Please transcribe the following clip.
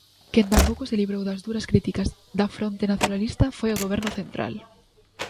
Quen tampouco se librou das duras críticas da fronte nacionalista foi o Goberno central.